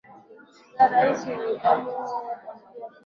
nza kama rais yudhayono alivyotangulia kusema